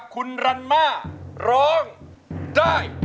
คุณรันม่าร้องได้